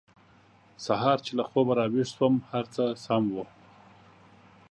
سهار چې له خوبه راویښ شوم هر څه سم وو